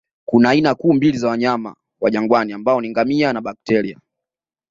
Kuna aina kuu mbili za wanyama wa jangwani ambao ni ngamia na bakteria